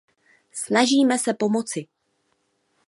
Snažíme se pomoci.